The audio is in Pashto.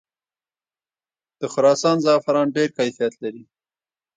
د خراسان زعفران ډیر کیفیت لري.